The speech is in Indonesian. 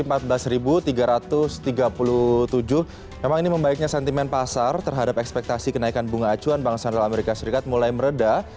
memang ini membaiknya sentimen pasar terhadap ekspektasi kenaikan bunga acuan bank sentral amerika serikat mulai meredah